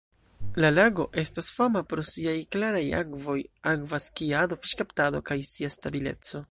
La lago estas fama pro siaj klaraj akvoj, akva skiado, fiŝkaptado, kaj sia stabileco.